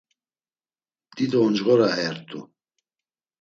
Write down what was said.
Dido oncğore ayert̆u.